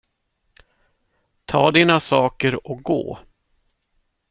Ta dina saker och gå.